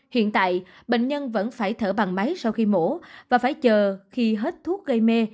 hiện tại bệnh nhân vẫn phải thở bằng máy sau khi mổ và phải chờ khi hết thuốc gây mê